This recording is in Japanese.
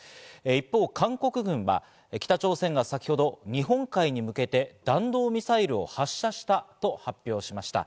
一方、韓国軍は北朝鮮が先ほど日本海に向けて弾道ミサイルを発射したと発表しました。